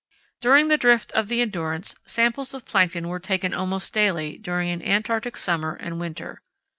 During the drift of the Endurance samples of plankton were taken almost daily during an Antarctic summer and winter.